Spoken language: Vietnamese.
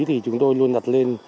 thì chúng tôi luôn đặt lên